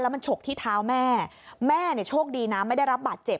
มันฉกที่เท้าแม่แม่เนี่ยโชคดีนะไม่ได้รับบาดเจ็บ